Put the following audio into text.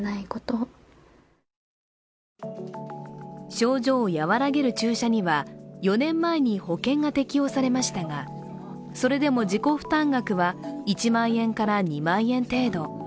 症状を和らげる注射には４年前に保険が適用されましたがそれでも自己負担額は１万円から２万円程度。